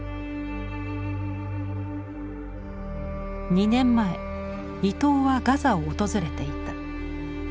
２年前いとうはガザを訪れていた。